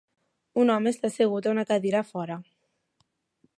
Un home està assegut a una cadira a fora.